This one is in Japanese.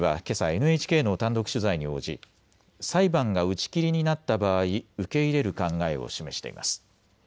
ＮＨＫの単独取材に応じ、裁判が打ち切りになった場合、受け入れる考えを示しています。